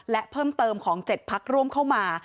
และเพิ่มเติมของ๗พักร่วมเข้ามา